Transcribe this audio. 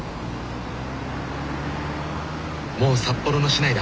もう札幌の市内だ。